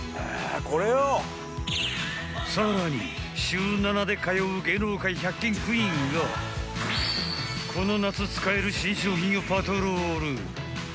更に、週７で通う芸能界１００均クイーンがこの夏使える新商品をパトロール。